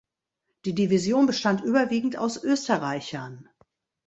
Die Division bestand überwiegend aus Österreichern.